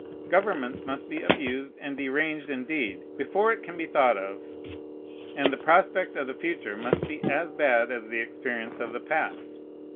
Governments must be abused and deranged indeed, before it can be thought of; and the prospect of the future must be as bad as the experience of the past.